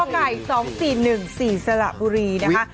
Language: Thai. ไก่๒๔๑๔สระบุรีนะคะ